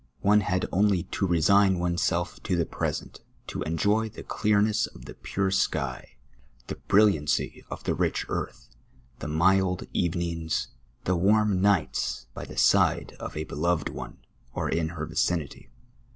One had only to resign oneself to the present, to enjoy the cleaj ness of the pure sky, the brilliancy of the rich earth, the mild evenings, the warm nights, by tlic side of a beloved one, or in her vicinity.